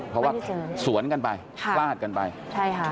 เพราะว่าสวนกันไปค่ะฟาดกันไปใช่ค่ะ